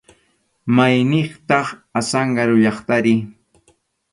¿Mayniqtaq Azángaro llaqtari?